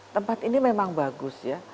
tempat ini memang bagus ya